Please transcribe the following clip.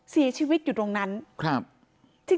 เสียชีวิตอยู่ตรงนั้น